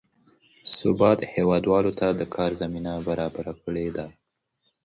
ثبات هېوادوالو ته د کار زمینه برابره کړې ده.